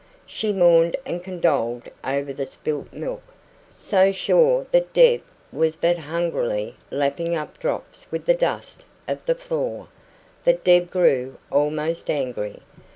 She mourned and condoled over this spilt milk so sure that poor Deb was but hungrily lapping up drops with the dust of the floor that Deb grew almost angry.